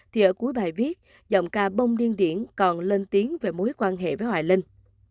thì ở cuối bài viết giọng ca bông điên điển còn lên tiếng về mối quan hệ với hoài linh